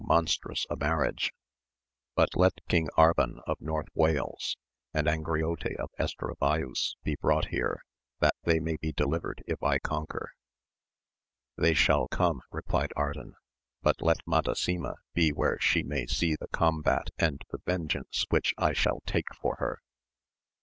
91 monstrous a marriage ; but let King Arban of North Wales, and Angriote of Estravaus be brought here, that they may be delivered if I conquer. They shall come, replied Ardan, but let Madasima be where she may see the combat and the vengeance which I shall take for her.